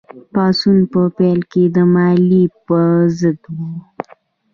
پاڅون په پیل کې د مالیې په ضد و.